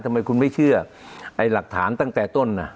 ทำไมคุณไม่เชื่อไอ้หลักฐานตั้งแต่ต้น